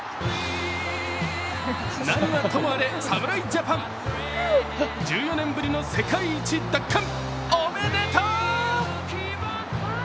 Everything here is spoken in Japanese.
何はともあれ、侍ジャパン１４年ぶりの世界一奪還、おめでとう！